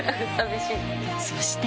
そして。